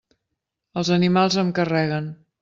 Els animals em carreguen.